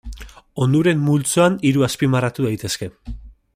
Onuren multzoan hiru azpimarratu daitezke.